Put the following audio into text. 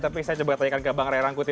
tapi saya coba tanyakan ke bang ray rangkuti